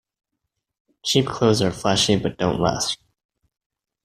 Cheap clothes are flashy but don't last.